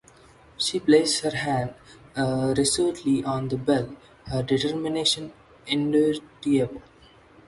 She placed her hand resolutely on the bell, her determination indubitable.